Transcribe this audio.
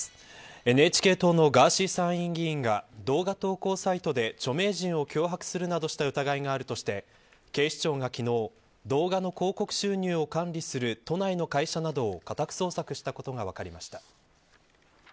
ＮＨＫ党のガーシー参院議員が動画投稿サイトで著名人を脅迫するなどした疑いがあるとして警視庁が昨日動画の広告収入を管理する都内の会社などを家宅捜索したことが分かりました。